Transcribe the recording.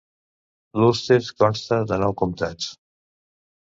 L'Ulster consta de nou comptats.